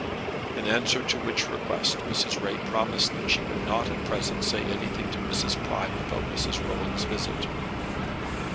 In answer to which request Mrs. Ray promised that she would not at present say anything to Mrs. Prime about Mrs. Rowan's visit.